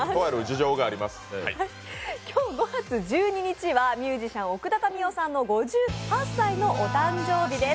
今日５月１２日はミュージシャン、奥田民生さんの５８歳の誕生日です。